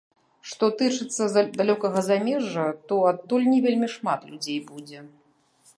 Што тычыцца далёкага замежжа, то адтуль не вельмі шмат людзей будзе.